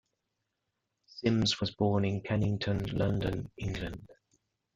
Sims was born in Kennington, London, England.